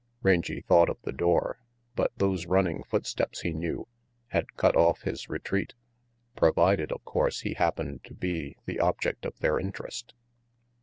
Rangy thought of the door, but those running footsteps, he knew, had cut off his retreat, provided, of course, he happened to be the object of their interest.